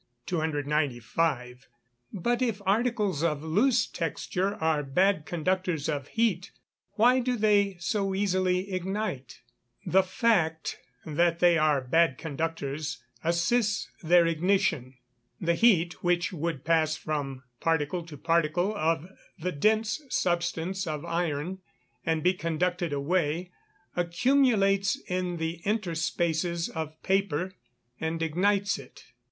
295. But if articles of loose texture are bad conductors of heat, why do they so easily ignite? The fact that they are bad conductors assists their ignition. The heat which would pass from particle to particle of the dense substance of iron, and be conducted away, accumulates in the interspaces of paper, and ignites it.